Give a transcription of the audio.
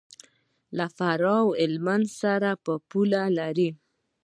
له فراه او هلمند سره پوله لري.